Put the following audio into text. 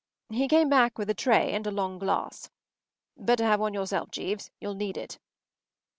” He came back with a tray and a long glass. “Better have one yourself, Jeeves. You’ll need it.